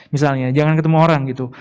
misalnya jangan ketemu orang gitu